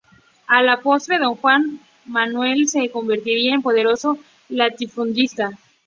A la postre Don Juan Manuel se convertiría en poderoso latifundista.